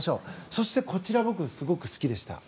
そして、こちら僕すごく好きでした。